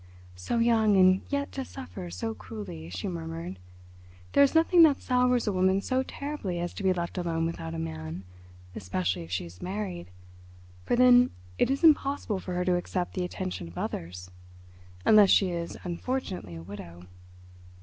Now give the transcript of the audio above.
"So young and yet to suffer so cruelly," she murmured. "There is nothing that sours a woman so terribly as to be left alone without a man, especially if she is married, for then it is impossible for her to accept the attention of others—unless she is unfortunately a widow.